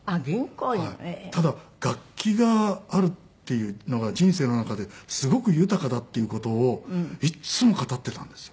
ただ楽器があるっていうのが人生の中ですごく豊かだっていう事をいつも語ってたんですよ。